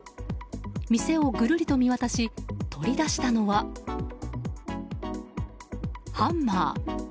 店をぐるりと見渡し取り出したのは、ハンマー。